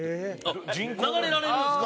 流れられるんですか？